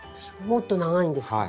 もっと長いんですか？